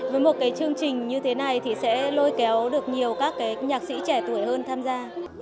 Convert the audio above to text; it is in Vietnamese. với một cái chương trình như thế này thì sẽ lôi kéo được nhiều các cái nhạc sĩ trẻ tuổi hơn tham gia